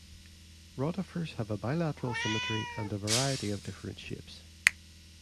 Rotifers have bilateral symmetry and a variety of different shapes.